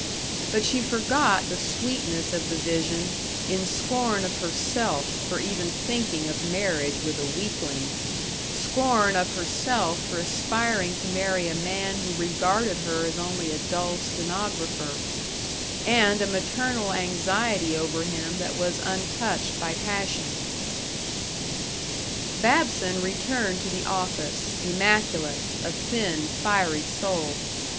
But she forgot the sweetness of the vision in scorn of herself for even thinking of marriage with a weakling; scorn of herself for aspiring to marry a man who regarded her as only a dull stenographer; and a maternal anxiety over him that was untouched by passion. Babson returned to the office, immaculate, a thin, fiery soul.